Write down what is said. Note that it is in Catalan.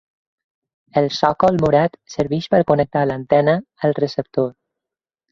El sòcol morat serveix per connectar l'antena al receptor.